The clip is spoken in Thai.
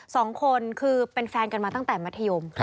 สองคนคือเป็นแฟนกันมาตั้งแต่มัธยม